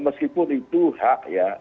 meskipun itu hak ya